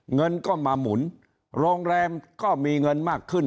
เงินก็มาหมุนโรงแรมก็มีเงินมากขึ้น